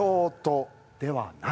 ではない。